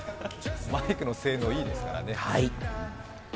マイクの性能いいですからね。